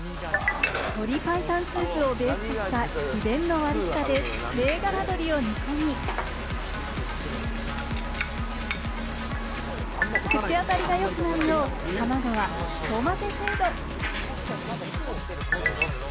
鶏白湯スープをベースとした秘伝の割り下で銘柄鶏を煮込み、口当たりがよくなるよう、卵はひと混ぜ程度。